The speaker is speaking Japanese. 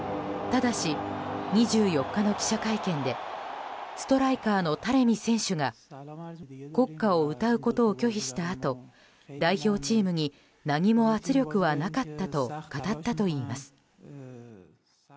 ただし、２４日の記者会見でストライカーのタレミ選手が国歌を歌うことを拒否したあと代表チームに何も圧力はなかったと語ったといいます。